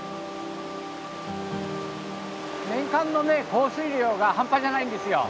年間の降水量が半端じゃないんですよ。